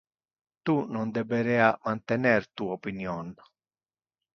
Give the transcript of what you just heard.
Tu non deberea mantener tu opinion.